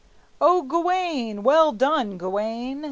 "O Gawayne! Well done, Gawayne!"